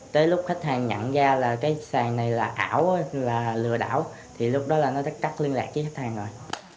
tới lúc khách hàng nhận ra là cái sàn này là ảo là lừa đảo thì lúc đó là nó tắt cắt liên lạc với khách hàng rồi